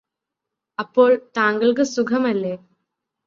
അപ്പോൾ താങ്കള്ക്ക് സുഖമല്ലേ